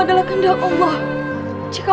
tuhan untuk sisamu jireh